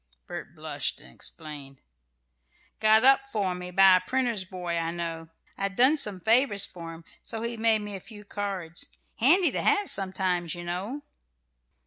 Bert blushed, and explained: "Got up for me by a printer's boy I know. I'd done some favours for him, so he made me a few cards. Handy to have sometimes, you know."